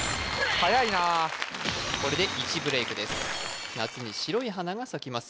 はやいなこれで１ブレイクです夏に白い花が咲きます